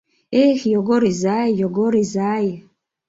Эх, Йогор изай, Йогор изай!